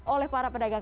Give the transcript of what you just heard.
oleh para pedagang